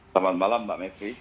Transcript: selamat malam mbak mekri